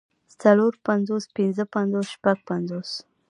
څلور پنځوس پنځۀ پنځوس شپږ پنځوس